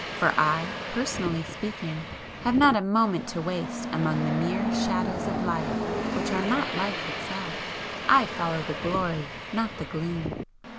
For I, personally speaking, have not a moment to waste among the mere shadows of life which are not Life itself. I follow the glory, not the gloom.